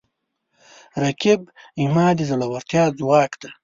رقیب زما د زړورتیا ځواک دی